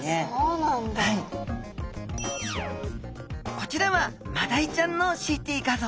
こちらはマダイちゃんのＣＴ画像。